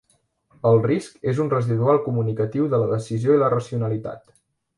El risc és un residual comunicatiu de la decisió i la racionalitat.